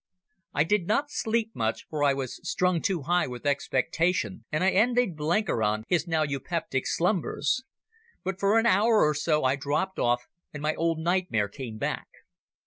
I did not sleep much, for I was strung too high with expectation, and I envied Blenkiron his now eupeptic slumbers. But for an hour or so I dropped off, and my old nightmare came back.